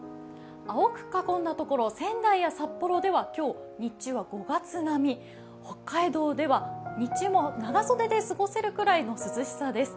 青く囲んだところ、仙台や札幌では今日、日中は５月並み、北海道では日中も長袖で過ごせるくらいの涼しさです。